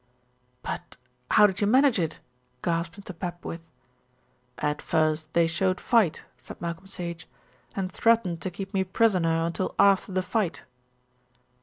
"But how did you manage it?" gasped Mr. Papwith. "At first they showed fight," said Malcolm Sage, "and threatened to keep me prisoner until after the fight."